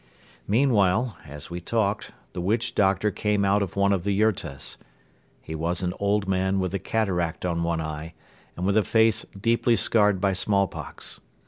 Meanwhile, as we talked, the witch doctor came out of one of the yurtas. He was an old man with a cataract on one eye and with a face deeply scarred by smallpox.